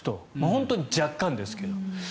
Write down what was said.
本当に若干ですけど。